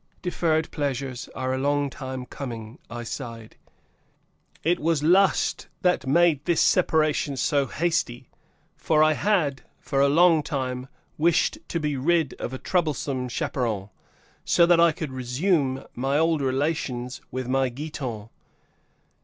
"Deferred pleasures are a long time coming," I sighed. It was lust that made this separation so hasty, for I had, for a long time, wished to be rid of a troublesome chaperon, so that I could resume my old relations with my Giton.